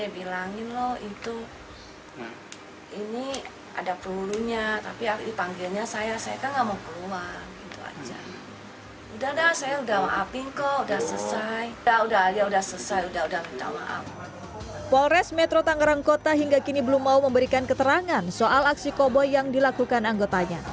polres metro tangerang kota hingga kini belum mau memberikan keterangan soal aksi koboy yang dilakukan anggotanya